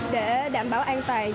để đảm bảo an toàn